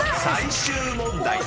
［最終問題］